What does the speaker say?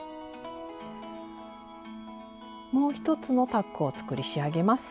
もう一つのタックを作り仕上げます。